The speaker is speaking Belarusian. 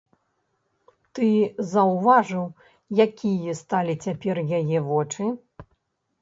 Ты заўважыў, якія сталі цяпер яе вочы?